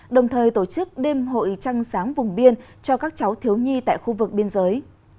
đồng thời tổ chức đêm hội trăng sáng vùng biên cho các cháu thiếu nhi tại khu vực biên giới